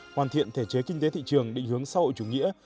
hoàn thiện thể chế kinh tế thị trường định hướng xã hội chủ nghĩa